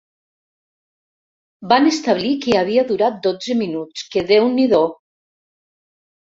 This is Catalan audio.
Van establir que havia durat dotze minuts, que déu-n'hi-do!